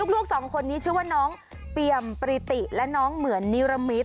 ลูกสองคนนี้ชื่อว่าน้องเปรียมปริติและน้องเหมือนนิรมิต